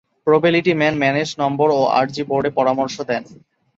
প্রোবেলিটিম্যানম্যানেশনম্বরওআরজি বোর্ডে পরামর্শ দেন।